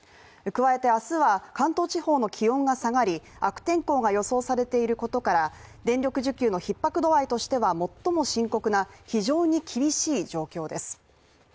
加えて明日は、関東地方の気温が下がり悪天候が予想されていることから電力需給のひっ迫度合いとしては最も深刻な非常に厳しい状況です。